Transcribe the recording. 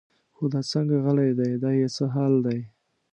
خو دا څنګه غلی دی دا یې څه حال دی.